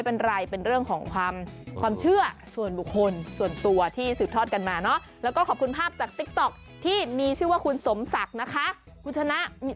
ไปเผาที่วัดไง